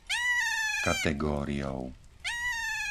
kategóriou